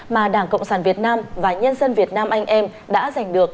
mà đảng cộng sản việt nam và nhân dân việt nam anh em đã giành được